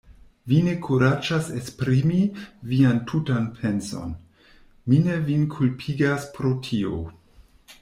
Vi ne kuraĝas esprimi vian tutan penson; mi ne vin kulpigas pro tio.